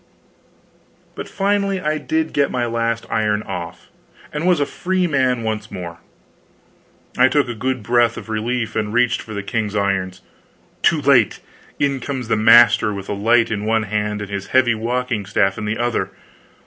But finally I did get my last iron off, and was a free man once more. I took a good breath of relief, and reached for the king's irons. Too late! in comes the master, with a light in one hand and his heavy walking staff in the other.